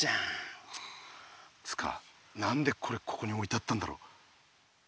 つか何でこれここにおいてあったんだろ。